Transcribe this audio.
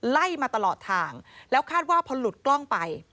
ไล่มาตลอดทางแล้วคาดว่าพอหลุดกล้องไป